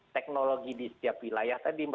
teknologi di setiap wilayah